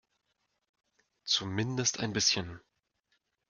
Zumindest ein bisschen.